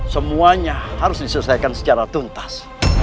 semuanya harus diselesaikan secara tuntas